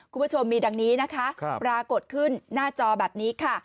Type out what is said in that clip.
คุณผู้ชมมีดังนี้นะคะปรากฏขึ้นหน้าจอแบบนี้ค่ะ